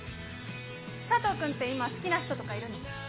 さとう君って今、好きな人とかいるの？